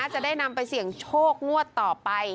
จะได้นำไปเสี่ยงโชคงวดต่อไป